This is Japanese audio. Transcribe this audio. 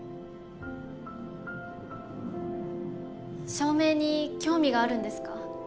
照明に興味があるんですか？